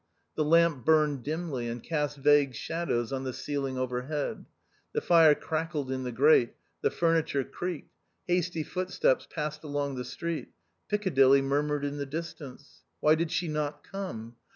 The lamp burned dimly, and cast vague shadows on the ceilinf overhead. The fire crackled in the o grate ; the furniture creaked ; hasty foot steps passed along the street; Piccadilly murmured in the distance. Why did she not come